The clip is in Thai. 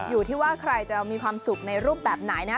อยู่ที่ว่าใครจะมีความสุขในรูปแบบไหนนะ